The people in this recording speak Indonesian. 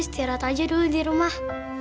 istirahat aja dulu di rumah